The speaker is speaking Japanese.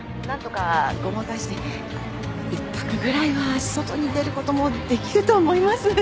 ごまかして１泊ぐらいは外に出ることもできると思います。